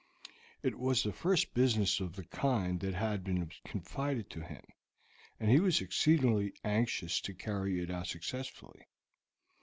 It was the first business of the kind that had been confided to him, and he was exceedingly anxious to carry it out successfully.